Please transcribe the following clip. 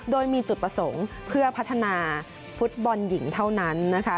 โดยมีจุดประสงค์เพื่อพัฒนาฟุตบอลหญิงเท่านั้นนะคะ